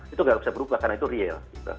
itu nggak bisa berubah karena itu real